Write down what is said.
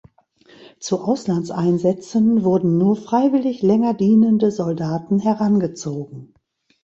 Zu Auslandseinsätzen wurden nur freiwillig länger dienende Soldaten herangezogen.